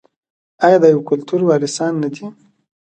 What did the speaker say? آیا د یو کلتور وارثان نه دي؟